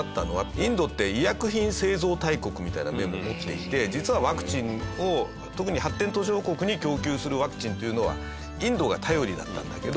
インドって医薬品製造大国みたいな面も持っていて実はワクチンを特に発展途上国に供給するワクチンっていうのはインドが頼りだったんだけど。